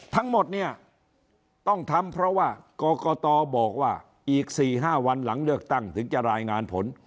ทั้งหมดเนี่ยต้องทำเพราะว่ากรกตบอกว่าอีก๔๕วันหลังเลือกตั้งถึงจะรายงานผล